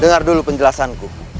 dengar dulu penjelasanku